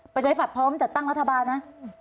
ประชาธิบัตย์พร้อมจัดตั้งรัฐบาลนะ